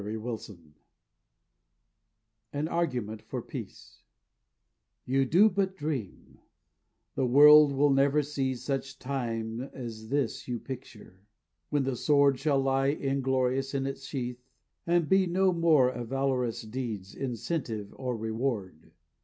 BY THE SEA AN ARGUMENT FOR PEACE "You do but dream; the world will never see Such time as this you picture, when the sword Shall lie inglorious in its sheath, and be No more of valorous deeds incentive or reward."